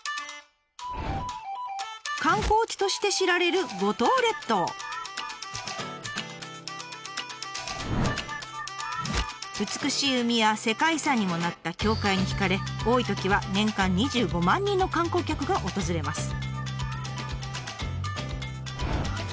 観光地として知られる美しい海や世界遺産にもなった教会に惹かれ多いときは年間２５万人の観光客が訪れます。